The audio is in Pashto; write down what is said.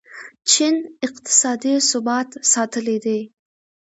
چین اقتصادي ثبات ساتلی دی.